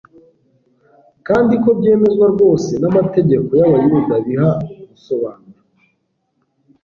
kandi ko byemezwa rwose n'amategeko y'abayuda biha gusobanura.